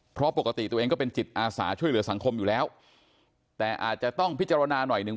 เพราะปกติตัวเองก็เป็นจิตอาสาช่วยเหลือสังคมอยู่แล้วแต่อาจจะต้องพิจารณาหน่อยหนึ่ง